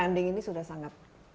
jadi kami sudah sangat